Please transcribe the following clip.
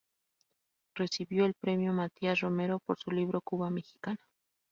Recibió el Premio Matías Romero por su libro "Cuba Mexicana.